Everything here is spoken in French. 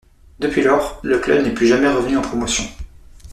Depuis lors, le club n'est plus jamais revenue en Promotion.